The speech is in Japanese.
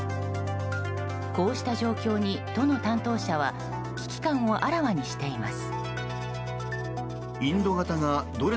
こうした状況に都の担当者は危機感をあらわにしています。